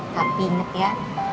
tapi inget ya